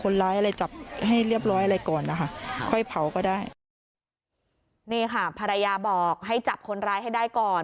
นี่ค่ะภรรยาบอกให้จับคนร้ายให้ได้ก่อน